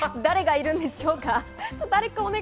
誰がいるんでしょうか？